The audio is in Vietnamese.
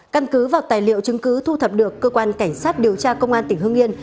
căn cứ vào tài liệu chứng cứ thu thập được cơ quan cảnh sát điều tra công an tỉnh hương yên